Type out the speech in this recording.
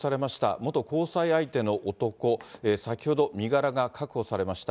元交際相手の男、先ほど身柄が確保されました。